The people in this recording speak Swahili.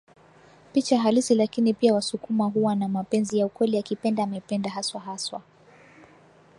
picha halisi lakini pia wasukuma huwa na mapenzi ya ukweli akipenda amependa haswa haswa